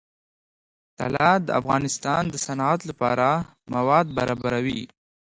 طلا د افغانستان د صنعت لپاره مواد برابروي.